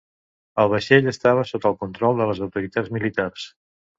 El vaixell estava sota el control de les autoritats militars.